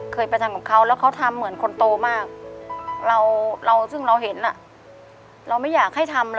เคยไปทำกับเขาแล้วเขาทำเหมือนคนโตมาก